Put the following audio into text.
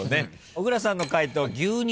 小倉さんの解答牛肉？